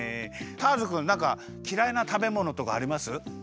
ターズくんなんかきらいなたべものとかあります？